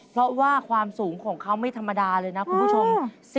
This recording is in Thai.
เพราะว่าความสูงของเขาไม่ธรรมดาเลยนะคุณผู้ชม